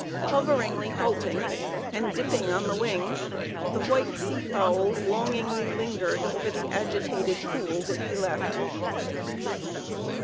Hoveringly halting, and dipping on the wing, the white sea fowls longingly lingered over the agitated pool that he left.